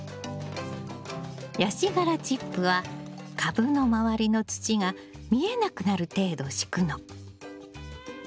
ヤシ殻チップは株の周りの土が見えなくなる程度敷くの。